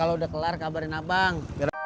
kalau udah kelar kabarin abang